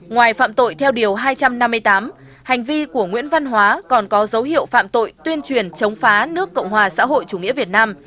ngoài phạm tội theo điều hai trăm năm mươi tám hành vi của nguyễn văn hóa còn có dấu hiệu phạm tội tuyên truyền chống phá nước cộng hòa xã hội chủ nghĩa việt nam